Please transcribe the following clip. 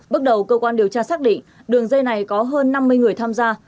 bước đầu cơ quan điều tra xác định đường dây này có hơn năm mươi người tham gia